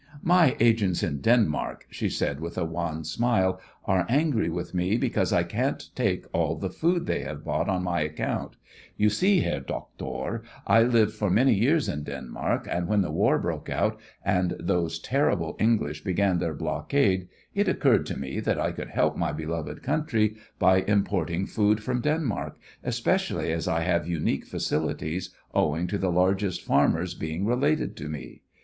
"My agents in Denmark," she said, with a wan smile, "are angry with me because I can't take all the food they have bought on my account. You see, Herr Doctor, I lived for many years in Denmark, and when the war broke out and those terrible English began their blockade it occurred to me that I could help my beloved country by importing food from Denmark, especially as I have unique facilities, owing to the largest farmers being related to me.